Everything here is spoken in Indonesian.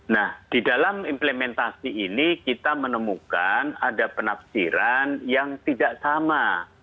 nah di dalam implementasi ini kita menemukan ada penafsiran yang tidak sama